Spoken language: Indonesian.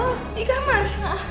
oh di kamar